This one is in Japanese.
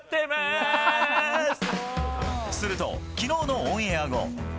すると、きのうのオンエア後。